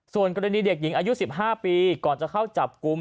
ส่วนกรณีเด็กหญิงอายุ๑๕ปีก่อนจะเข้าจับกลุ่ม